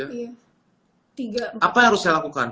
tiga apa yang harus saya lakukan